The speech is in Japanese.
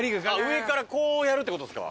上からこうやるって事ですか？